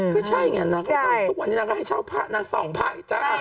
คือใช่อย่างนั้นนะเค้าบอกว่าทุกวันนี้นางก็ให้เช่าพระนางส่องพระอีกจัง